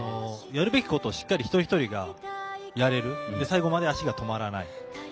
やるべきことをしっかり一人一人がやれる、最後まで足が止まらない。